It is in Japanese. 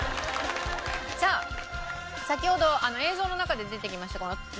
さあ先ほど映像の中で出てきました